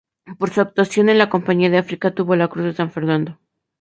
Por su actuación en la campaña de África, obtuvo la cruz de San Fernando.